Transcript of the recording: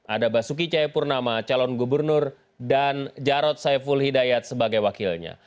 ada basuki cahayapurnama calon gubernur dan jarod saiful hidayat sebagai wakilnya